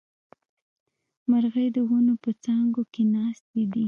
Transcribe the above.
مرغۍ د ونو په څانګو کې ناستې دي